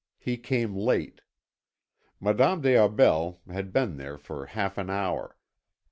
He came late. Madame des Aubels had been there for half an hour.